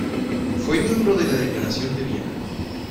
Fue miembro de la Declaración de Viena.